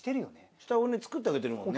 下をね作ってあげてるもんね。